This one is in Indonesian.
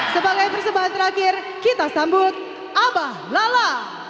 sebagai persebaya terakhir kita sambut abah lala